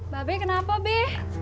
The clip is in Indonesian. ba be kenapa be